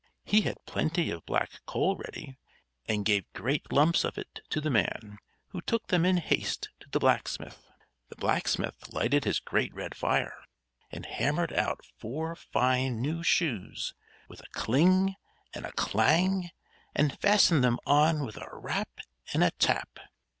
He had plenty of black coal ready and gave great lumps of it to the man, who took them in haste to the blacksmith. The blacksmith lighted his great red fire, and hammered out four fine new shoes, with a cling! and a clang! and fastened them on with a rap! and a tap!